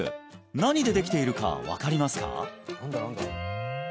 何でできているか分かりますか？